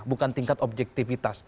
bukan tingkat objektifitas